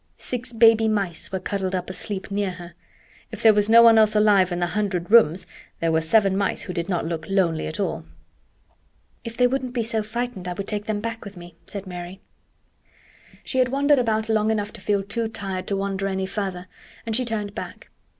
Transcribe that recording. Six baby mice were cuddled up asleep near her. If there was no one else alive in the hundred rooms there were seven mice who did not look lonely at all. "If they wouldn't be so frightened I would take them back with me," said Mary. She had wandered about long enough to feel too tired to wander any farther, and she turned back.